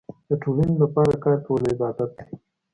د ټولنې لپاره کار کول عبادت دی.